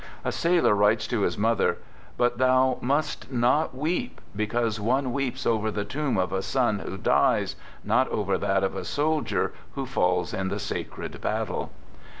A sailor writes to his mother :" But thou must not weep, because one weeps over the tomb of a son who dies, not over that of a soldier who falls in the sacred battle."